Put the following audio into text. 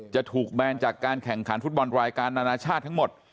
จะถูกแบนจากการแข่งขันฟุตบอลรายการนานาชาติทั้งหมด